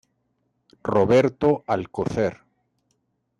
Roberto Alcocer.